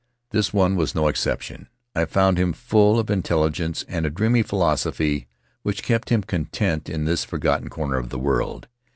This one was no exception; I found him full of intelligence and a dreamy philosophy which kept him content in this forgotten corner of the world.